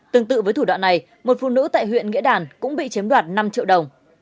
tương tự với thủ đoạn này một phụ nữ tại huyện nghĩa đàn cũng bị chiếm đoạt năm triệu đồng